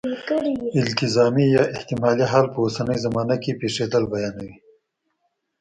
التزامي یا احتمالي حال په اوسنۍ زمانه کې پېښېدل بیانوي.